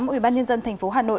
ủy ban nhân dân thành phố hà nội